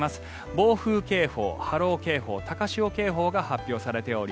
暴風警報、波浪警報高潮警報が発表されており